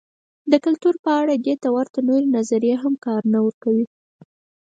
د کلتور په اړه دې ته ورته نورې نظریې هم کار نه ورکوي.